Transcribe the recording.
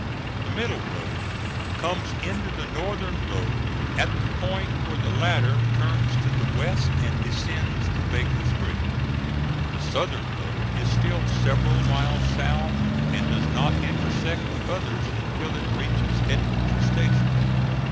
The middle road comes into the northern road at the point where the latter turns to the west and descends to Baker's Creek; the southern road is still several miles south and does not intersect the others until it reaches Edward's station.